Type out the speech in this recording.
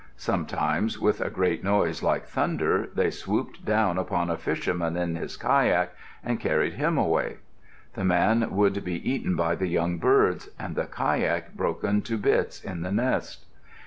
Sometimes with a great noise like thunder they swooped down upon a fisherman in his kayak and carried him away. The man would be eaten by the young birds, and the kayak broken to bits in the nest.